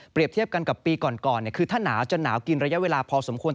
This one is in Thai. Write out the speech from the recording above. เทียบกันกับปีก่อนคือถ้าหนาวจนหนาวกินระยะเวลาพอสมควร